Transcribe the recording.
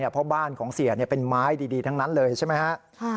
เพราะบ้านของเสียเป็นไม้ดีทั้งนั้นเลยใช่ไหมครับ